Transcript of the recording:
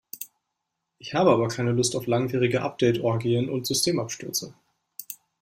Ich habe aber keine Lust auf langwierige Update-Orgien und Systemabstürze.